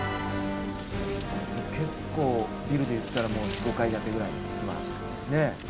結構ビルでいったらもう４５階建てぐらい今ねえ。